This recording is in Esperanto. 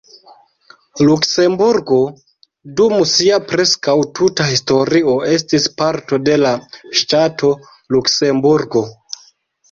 Luksemburgo dum sia preskaŭ tuta historio estis parto de la ŝtato Luksemburgo.